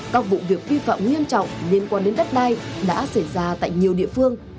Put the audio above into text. các vụ việc vi phạm nghiêm trọng liên quan đến đất đai đã xảy ra tại nhiều địa phương